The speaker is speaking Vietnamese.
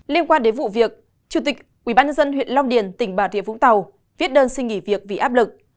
liên quan đến vụ việc chủ tịch ubnd huyện long điền tỉnh bà rịa vũng tàu viết đơn xin nghỉ việc vì áp lực